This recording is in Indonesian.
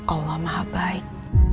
allah maha baik